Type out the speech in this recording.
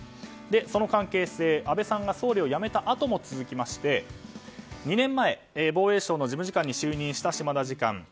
その関係性、安倍さんが総理を辞めたあとも続いて２年前防衛省の事務次官に就任した島田次官。